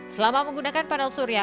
selama menggunakan panel surya